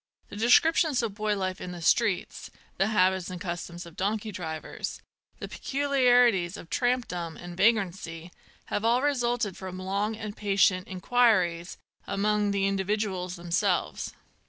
The descriptions of boy life in the streets, the habits and customs of donkey drivers, the peculiarities of tramp dom and vagrancy, have all resulted from long and patient inquiries among the individuals themselves.